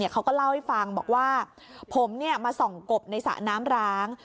เขาก็เล่าให้ฟังบอกว่าผมมาส่องกบในสระน้ำร้าง